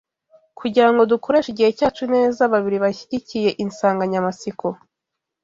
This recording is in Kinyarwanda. kugira ngo dukoreshe igihe cyacu neza babiri bashyigikiye insanganyamatsiko